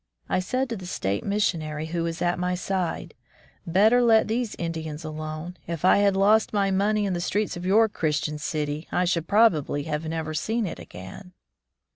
I said to the state missionary who was at my side, Better let these Indians alone ! If I had lost my money in the streets of your Christian city, I should probably have never seen it again."